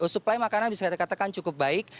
supply makanan bisa dikatakan cukup baik